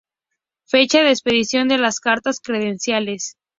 Fecha de expedición de las cartas credenciales.